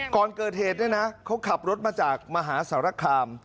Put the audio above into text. ก่อนเกิดเหตุเนี่ยนะเขาขับรถมาจากมหาสารคาม